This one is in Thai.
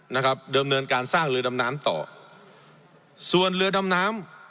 นะครับเดิมเนินการสร้างเรือดำน้ำต่อส่วนเรือดำน้ำ